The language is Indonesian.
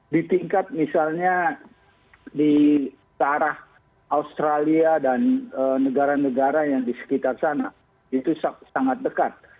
di tingkat misalnya ke arah australia dan negara negara yang di sekitar sana itu sangat dekat